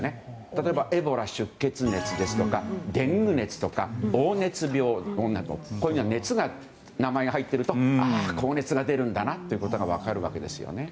例えばエボラ出血熱ですとかデング熱とか黄熱病などこういう「熱」が名前に入っているとあ、高熱が出るんだなということが分かるんですね。